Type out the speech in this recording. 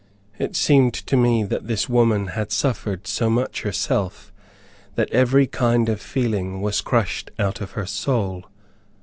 It seemed to me that this woman had suffered so much herself, that every kind feeling was crushed out of her soul.